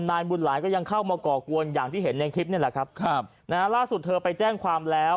นายบุญหลายก็ยังเข้ามาก่อกวนอย่างที่เห็นในคลิปนี่แหละครับครับนะฮะล่าสุดเธอไปแจ้งความแล้ว